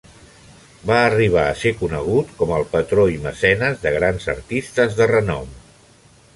Va arribar a ser conegut com el patró i mecenes de grans artistes de renom.